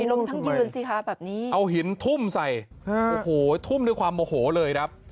ลมทั้งยืนสิคะแบบนี้เอาหินทุ่มใส่โอ้โหทุ่มด้วยความโมโหเลยครับ